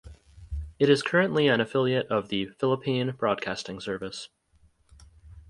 It is currently an affiliate of the Philippine Broadcasting Service.